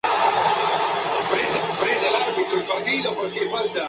Diversos óleos y acuarelas, destacando como retratista.